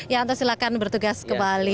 ya anto silahkan bertugas kembali